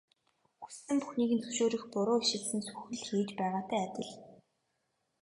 Хүссэн бүхнийг нь зөвшөөрөх нь буруу ишилсэн сүх л хийж байгаатай адил.